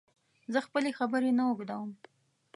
زه خپلي خبري نه اوږدوم